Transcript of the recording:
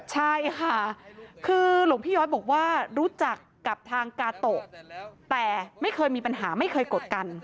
ใช่ค่ะคือหลวงพี่ย้อยบอกว่ารู้จักกับทางกาโตะแต่ไม่เคยมีปัญหาไม่เคยกดกัน